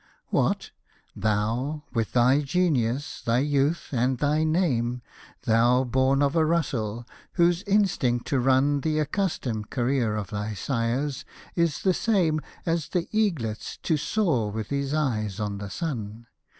What ! thou^ with thy genius, thy youth, and thy name — Thou, born of a Russell — whose instinct to run The accustomed career of thy sires, is the same As the eaglet's, to soar with his eyes on the sun